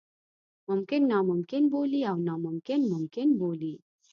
ممکن ناممکن بولي او ناممکن ممکن بولي.